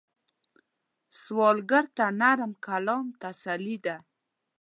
سوالګر ته نرم کلام تسلي ده